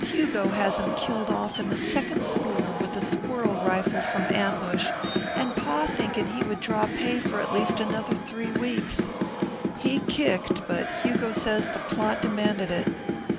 Hugo has him killed off in the second spool with a squirrel rifle from ambush, and Pa thinking he would draw pay for at least another three weeks. He kicked, but Hugo says the plot demanded it.